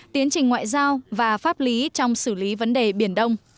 tiến trình ngoại giao và pháp lý trong xử lý vấn đề biển đông